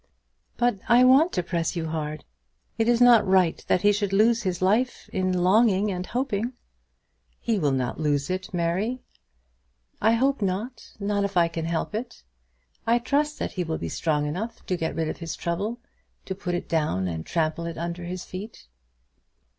"But I want to press you hard. It is not right that he should lose his life in longing and hoping." "He will not lose his life, Mary." "I hope not; not if I can help it. I trust that he will be strong enough to get rid of his trouble, to put it down and trample it under his feet."